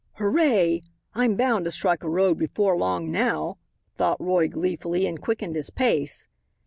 "Hooray, I'm bound to strike a road before long now," thought Roy gleefully and quickened his pace.